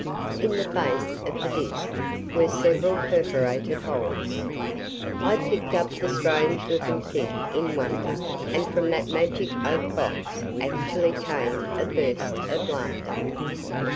In the face of the disc were several perforated holes. I picked up the strange looking thing in wonder and from that magic oak box actually came a burst of laughter.